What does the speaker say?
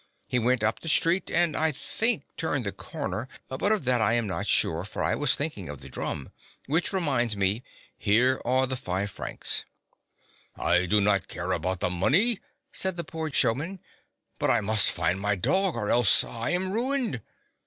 He went up the street, and, I think, turned the next corner ; but of that I am not sure, for I was thinking of the drum. Which reminds me — here are the five francs." " I do not care for the money," said the poor showman, "but I must find my dog, or else I am ruined."